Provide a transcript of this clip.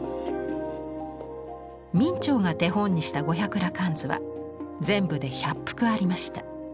明兆が手本にした「五百羅漢図」は全部で１００幅ありました。